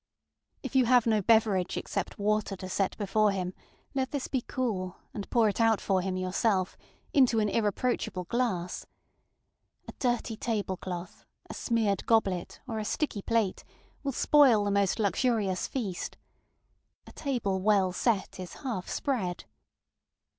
If you have no beverage except water to set before him, let this be cool, and pour it out for him yourself, into an irreproachable glass. A dirty table cloth, a smeared goblet, or a sticky plate, will spoil the most luxurious feast. A table well set is half spread.